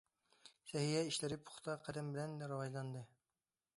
سەھىيە ئىشلىرى پۇختا قەدەم بىلەن راۋاجلاندى.